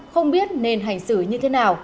không biết nên hành xử như thế nào